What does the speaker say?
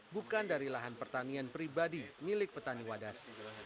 bukan dari lahan pertanian pribadi milik petani wadas